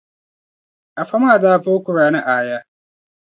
Afa maa da vooi Kurani aaya.